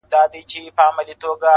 څه د اضدادو مجموعه یې د بلا لوري